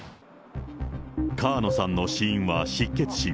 川野さんの死因は失血死。